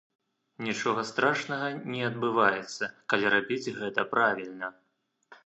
Нічога страшнага не адбываецца, калі рабіць гэта правільна.